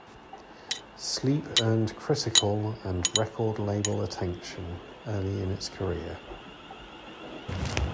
Sleep earned critical and record label attention early in its career.